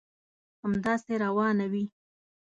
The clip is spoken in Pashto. همداسي روانه وي.